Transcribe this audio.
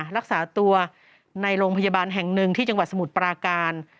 รักษาตัวในโรงพยาบาลแห่งหนึ่งที่จังหวัดสมุทรปราการ